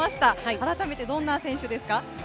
改めてどんな選手ですか？